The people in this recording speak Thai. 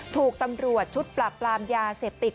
ถูกตำรวจชุดปราบปรามยาเสพติด